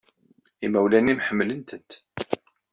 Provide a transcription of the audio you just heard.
Imawlan-nnem ḥemmlen-tent.